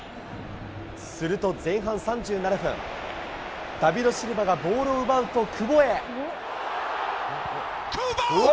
すると前半３７分、ダビド・シルバがボールを奪うと久保へ。